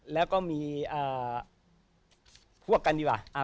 แล้วก็มีพวกกันดีกว่า